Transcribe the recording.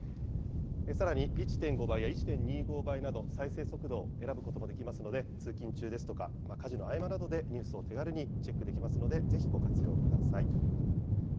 さらに１．５倍や１．２５倍など、再生速度を選ぶこともできますので、通勤中ですとか、家事の合間などで、ニュースを手軽にチェックできますので、ぜひご活用ください。